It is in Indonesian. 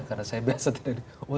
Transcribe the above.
karena saya biasa tidak